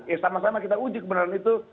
ya sama sama kita uji kebenaran itu